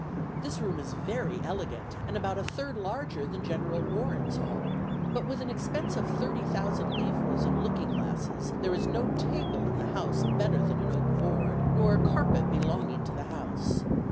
This room is very elegant, and about a third larger than General Warren's hall. ... But with an expense of thirty thousand livres in looking glasses there is no table in the house better than an oak board, nor a carpet belonging to the house.